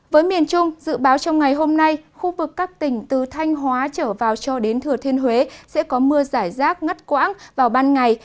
với miền trung dự báo trong ngày hôm nay khu vực các tỉnh từ thanh hóa trở vào cho đến thừa thiên huế sẽ có mưa giải rác ngất quãng vào ban ngày